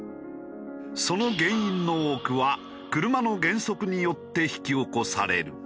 その原因の多くは車の減速によって引き起こされる。